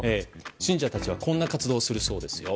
信者たちはこんな活動をするそうです。